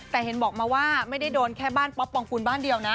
แต่เห็นบอกมาว่าไม่ได้โดนแค่บ้านป๊อปปองกูลบ้านเดียวนะ